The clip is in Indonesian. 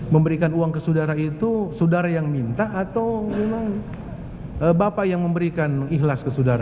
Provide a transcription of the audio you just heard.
memberikan uang ke saudara itu saudara yang minta atau memang bapak yang memberikan ikhlas ke saudara